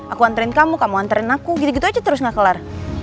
aku anterin kamu kamu anterin aku gitu gitu aja terus gak kelar